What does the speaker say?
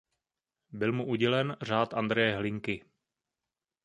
Byl mu udělen Řád Andreje Hlinky.